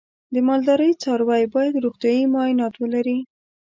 د مالدارۍ څاروی باید روغتیايي معاینات ولري.